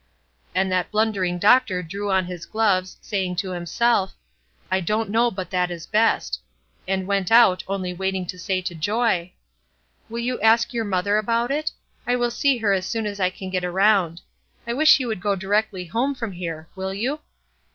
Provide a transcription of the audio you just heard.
And that blundering doctor drew on his gloves, saying to himself, "I don't know but that is best," and went out, only waiting to say to Joy: "Will you ask your mother about it? I will see her as soon as I can get around. I wish you would go directly home from here will you?"